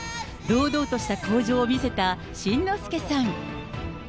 堂々とした口上を見せた新之助さん。